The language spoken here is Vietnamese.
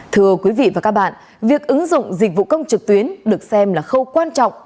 thưa quý vị và các bạn việc ứng dụng dịch vụ công trực tuyến được xem là khâu quan trọng